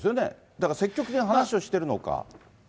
だから積極的に話をしてるのか。